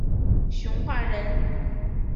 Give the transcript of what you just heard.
熊化人。